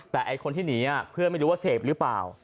แต่ไอ้คนที่หนีเพื่อนไม่รู้ว่าเสพหรือเปล่า